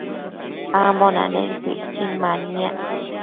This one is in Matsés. ambo nanenquio icquin manniac